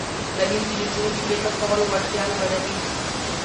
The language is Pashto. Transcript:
تعلیم د نجونو د فکر کولو وړتیا لوړوي.